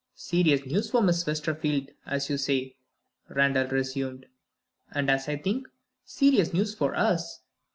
"Serious news for Miss Westerfield, as you say," Randal resumed. "And, as I think, serious news for us.